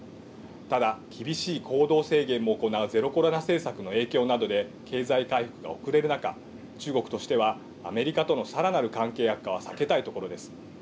ただ、厳しい行動制限も行うゼロコロナ政策の影響などで、経済回復が遅れる中、中国としてはアメリカとのさらなる関係悪化は避けたいところです。